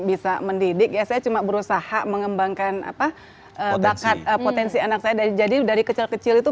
itu tidak berusaha mengembangkan apa membataskan potensi anak saya dari jadi dari kecil kecil itu